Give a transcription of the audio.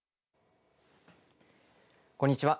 こんにちは。